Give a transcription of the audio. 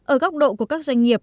ở góc độ của các doanh nghiệp